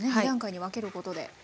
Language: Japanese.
２段階に分けることで。